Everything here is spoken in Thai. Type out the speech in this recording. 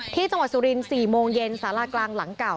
ที่จังหวัดสุรินทร์๔โมงเย็นสารากลางหลังเก่า